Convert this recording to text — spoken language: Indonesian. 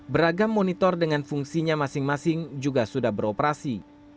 beragam monitor dengan fungsinya masing masing juga sudah beroperasi